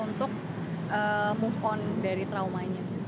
untuk mereka untuk move on dari traumanya